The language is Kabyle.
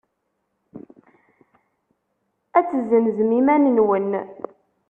Ad tezzenzem iman-nwen.